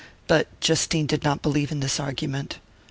But Justine did not believe in this argument.